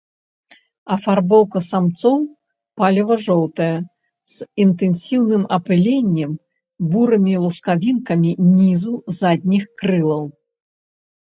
Афарбоўка самцоў палева-жоўтая, з інтэнсіўным апыленнем бурымі лускавінкамі нізу задніх крылаў.